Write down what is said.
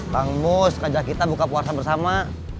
kang mus ngajak kita buka puasa bersama